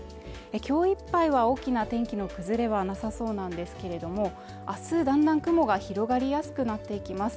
今日いっぱいは大きな天気の崩れはなさそうなんですけれどもあすだんだん雲が広がりやすくなっていきます